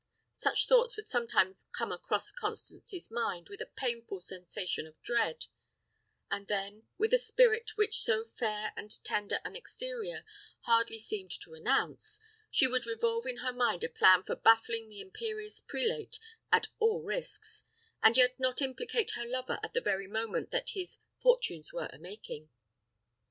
Such thoughts would sometimes come across Constance's mind with a painful sensation of dread; and then, with a spirit which so fair and tender an exterior hardly seemed to announce, she would revolve in her mind a plan for baffling the imperious prelate at all risks, and yet not implicate her lover at the very moment that his "fortunes were a making."